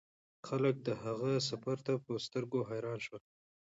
خلک د هغه سفر ته په سترګو حیران شول.